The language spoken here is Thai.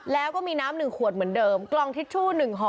แล้วก็มีน้ำหนึ่งขวดเหมือนเดิมกล่องทิชชู่หนึ่งหอ